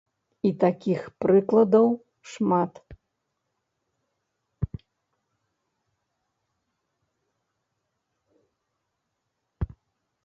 І такіх прыкладаў шмат.